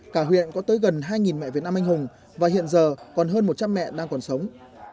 cả huyện có tới gần hai mẹ việt nam anh hùng và hiện giờ còn hơn một trăm linh mẹ đang còn sống